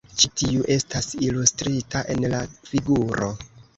Ĉi tiu estas ilustrita en la figuro.